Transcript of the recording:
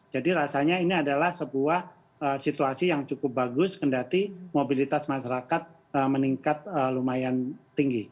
jadi rasanya ini adalah sebuah situasi yang cukup bagus kendali mobilitas masyarakat meningkat lumayan tinggi